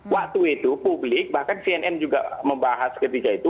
waktu itu publik bahkan cnn juga membahas ketiga itu